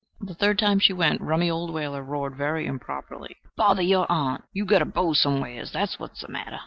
The third time she went, rummy old Whaler roared very improperly, "Bother your aunt! You've got a beau somewheres that's what's the matter."